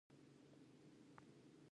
ورځپاڼې او مجلې ډیرې دي.